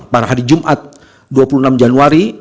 pada hari jumat dua puluh enam januari